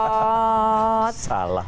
itu salah kurang